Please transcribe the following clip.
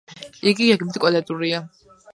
იგი გეგმით კვადრატულია.